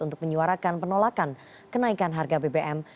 untuk menyuarakan penolakan kenaikan harga bbm